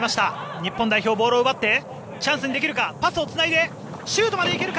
日本代表、ボールを奪ってチャンスにできるかパスをつないでシュートまで行けるか。